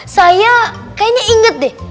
saya kayaknya ingat deh